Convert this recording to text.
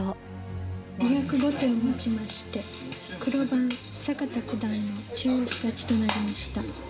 ２０５手をもちまして黒番坂田九段の中押し勝ちとなりました。